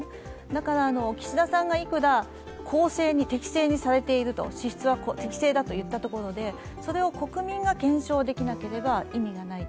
だから、岸田さんがいくら公正に適正にされていると、支出されてるといってもそれを国民が検証できなければ意味がない。